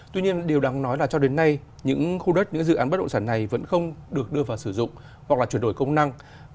tuy nhiên điều đáng nói là cho đến nay những khu đất những dự án bất động sản này vẫn không được đưa vào sử dụng hoặc là chuyển đổi công năng